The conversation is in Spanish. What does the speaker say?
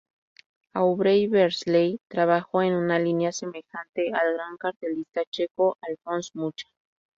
Aubrey Beardsley trabajó en una línea semejante al gran cartelista checo Alfons Mucha.